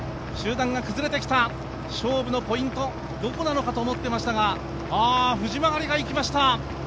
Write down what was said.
集団が崩れてきた、勝負のポイントどこなのかと思っていましたがああ、藤曲がいきました。